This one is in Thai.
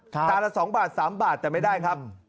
ตาละ๒บาท๓บาทแต่ไม่ได้ครับ